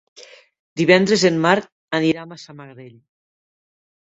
Divendres en Marc anirà a Massamagrell.